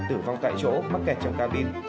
tử vong tại chỗ mắc kẹt trong ca bin